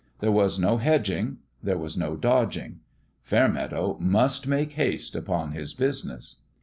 There was no hedging : there was no dodging. Fairmeadow must make haste upon this business.